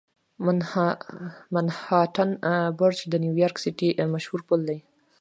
منهاټن برج د نیویارک سیټي مشهور پل دی.